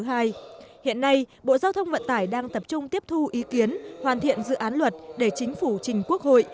hiện nay bộ giao thông vận tải đang tập trung tiếp thu ý kiến hoàn thiện dự án luật để chính phủ trình quốc hội